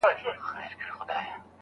ته باید د ادبي پوهنو په اړه مطالعه وکړې.